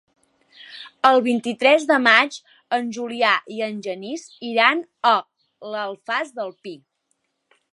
El vint-i-tres de maig en Julià i en Genís iran a l'Alfàs del Pi.